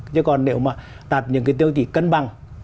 chứ còn nếu mà đạt những cái tiêu chí cân bằng